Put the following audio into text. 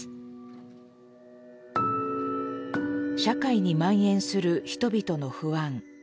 社会にまん延する人々の不安。